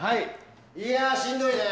いや、しんどいね！